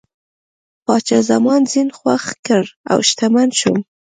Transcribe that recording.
پاچا زما زین خوښ کړ او شتمن شوم.